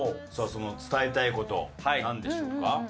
さあその伝えたい事なんでしょうか？